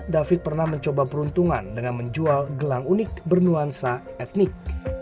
david pernah mencoba peruntungan dengan menjual gelang unik bernuansa etnik